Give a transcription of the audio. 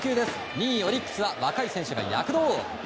２位、オリックスは若い選手が躍動。